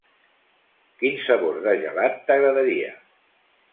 Quin sabor de gelat t'agradaria?